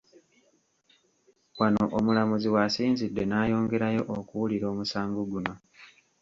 Wano omulamuzi w’asinzidde n’ayongerayo okuwulira omusango guno.